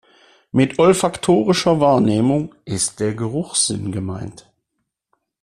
Mit olfaktorischer Wahrnehmung ist der Geruchssinn gemeint.